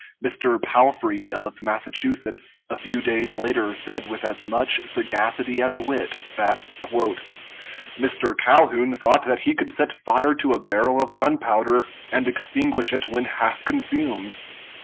Mr. Palfrey, of Massachusetts, a few days later said with as much sagacity as wit that "Mr. Calhoun thought that he could set fire to a barrel of gunpowder and extinguish it when half consumed."